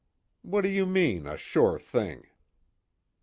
"What do you mean a sure thing?"